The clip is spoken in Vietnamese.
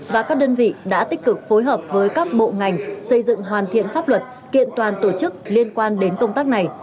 và các đơn vị đã tích cực phối hợp với các bộ ngành xây dựng hoàn thiện pháp luật kiện toàn tổ chức liên quan đến công tác này